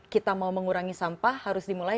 kita mau mengurangi sampah harus dimulai